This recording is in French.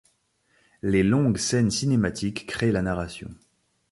Les longues scènes cinématiques créent la narration.